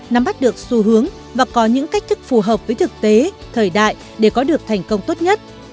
nắm bắt được xu hướng và có những cách thức phù hợp với thực tế thời đại để có được thành công tốt nhất